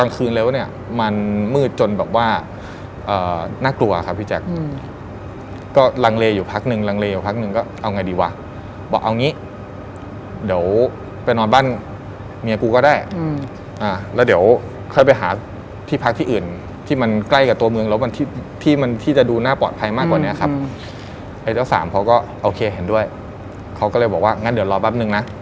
เขาก็เลยเหมือนด่าแบบพูดตวาดไล่อะว่าแบบ